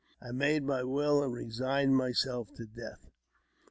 I made my will, and resigned myself to death.